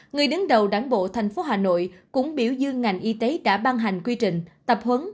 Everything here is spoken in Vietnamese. người đứng đầu đảng bộ thành phố hà nội cũng biểu dương ngành y tế đã ban hành quy trình tập huấn